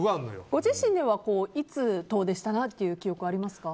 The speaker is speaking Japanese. ご自身ではいつ遠出したなという記憶はありますか？